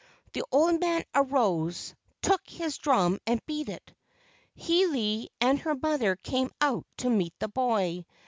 The old man arose, took his drum and beat it. Hiilei and her mother came out to meet the boy.